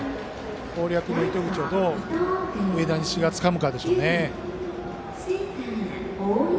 攻略の糸口をどう上田西がつかむかでしょうね。